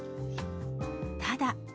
ただ。